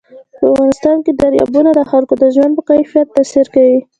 په افغانستان کې دریابونه د خلکو د ژوند په کیفیت تاثیر کوي.